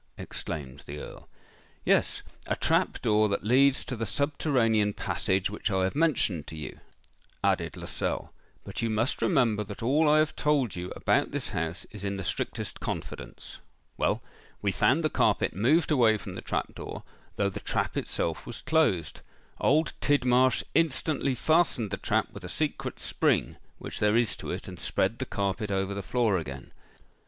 exclaimed the Earl. "Yes—a trap door that leads to the subterranean passage which I have mentioned to you," added Lascelles; "but you must remember that all I have told you about this house is in the strictest confidence. Well, we found the carpet moved away from the trap door, though the trap itself was closed. Old Tidmarsh instantly fastened the trap with a secret spring which there is to it, and spread the carpet over the floor again.